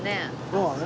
そうだね。